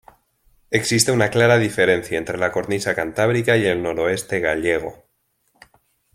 Existe una clara diferencia entre la cornisa cantábrica y el noroeste gallego.